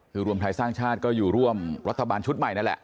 คือรวมไทยสร้างชาติก็อยู่ร่วมรัฐบาลชุดใหม่นั่นแหละ